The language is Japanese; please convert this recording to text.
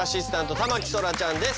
田牧そらちゃんです。